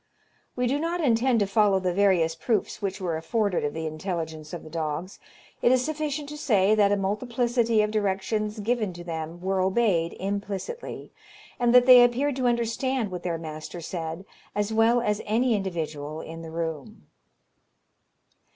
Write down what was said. We do not intend to follow the various proofs which were afforded of the intelligence of the dogs; it is sufficient to say that a multiplicity of directions given to them were obeyed implicitly, and that they appeared to understand what their master said as well as any individual in the room.